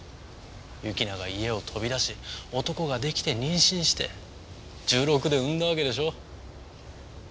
由樹奈が家を飛び出し男が出来て妊娠して１６で産んだわけでしょ？